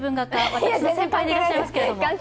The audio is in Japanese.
私の先輩でいらっしゃいますけれども。